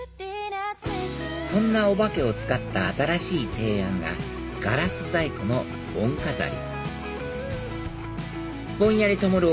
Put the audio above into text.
そんなお化けを使った新しい提案がガラス細工の盆飾りぼんやりともる